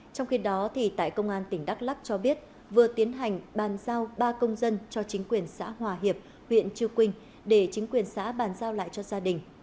trong khi đó tại công an tỉnh đắk lắc cho biết vừa tiến hành bàn giao ba công dân cho chính quyền xã hòa hiệp huyện chư quynh để chính quyền xã bàn giao lại cho gia đình